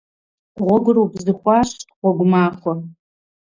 Гъуэгур убзыхуащ. Гъуэгу махуэ!